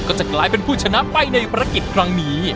ก็จะกลายเป็นผู้ชนะไปในภารกิจครั้งนี้